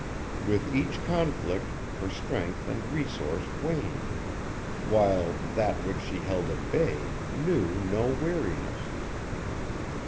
With each conflict, her strength and resource waned, while That which she held at bay knew no weariness.